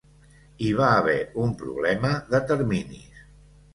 Hi va haver un problema de terminis.